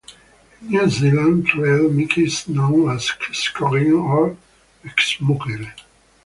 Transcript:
In New Zealand, trail mix is known as "scroggin" or "schmogle".